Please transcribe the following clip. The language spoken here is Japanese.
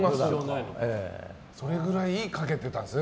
それぐらいかけていたんですね。